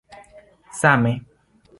same